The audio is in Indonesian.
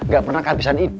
gak pernah kehabisan ide